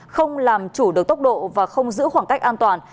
không làm chủ được tốc độ và không giữ khoảng cách an toàn